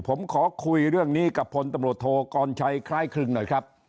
ผมขอคุยเรื่องนี้กับพลตำรวจโทกรชัยคล้ายครึ่งหน่อยครับ